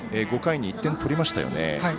５回に１点取りましたよね。